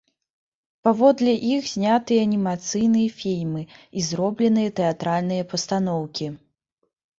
Паводле іх знятыя анімацыйныя фільмы і зробленыя тэатральныя пастаноўкі.